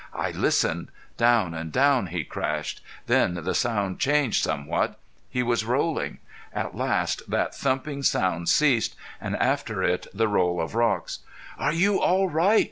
I listened. Down and down he crashed. Then the sound changed somewhat. He was rolling. At last that thumping sound ceased, and after it the roll of rocks. "Are you all right?"